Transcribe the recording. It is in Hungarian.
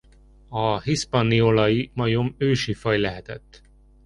A hispaniolai majom ősi faj lehetett.